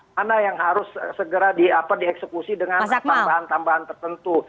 mana yang harus segera dieksekusi dengan tambahan tambahan tertentu